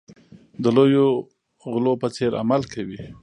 د لویو غلو په څېر عمل کوي.